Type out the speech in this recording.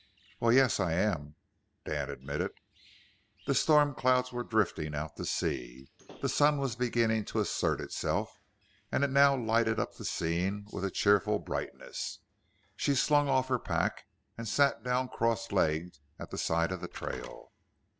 "Well, yes, I am." Dan admitted. The storm clouds were drifting out to sea; the sun was beginning to assert itself, and it now lighted up the scene with a cheerful brightness. She slung off her pack and sat down cross legged at the side of the trail.